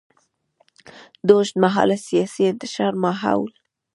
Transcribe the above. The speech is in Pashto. د اوږدمهاله سیاسي انتشار ماحول.